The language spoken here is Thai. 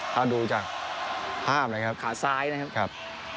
คราวดูจากพลาดไหนนะครับ